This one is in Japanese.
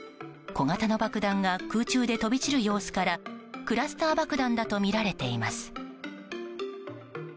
小型の爆弾が空中で飛び散る様子からクラスター爆弾だとみられています。